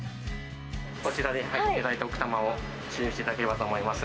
こちらに乗っていただいて、奥多摩を周遊していただければと思います。